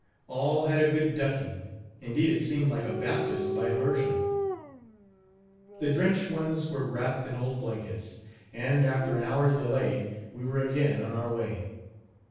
All had a good ducking indeed it seemed like a baptism by immersion. The drenched ones were wrapped in old blankets; and, after an hour's delay, we were again on our way.